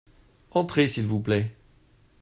Entrez s’il vous plait.